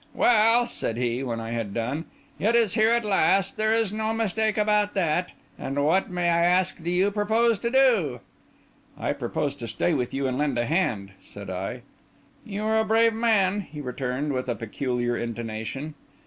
"Well," said he, when I had done, "it is here at last; there is no mistake about that. And what, may I ask, do you propose to do?" "I propose to stay with you and lend a hand," said I. "You are a brave man," he returned, with a peculiar intonation.